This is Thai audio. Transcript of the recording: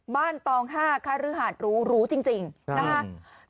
บ้านตองห้าข้ารื่อหาดรู้รู้จริงนะคะ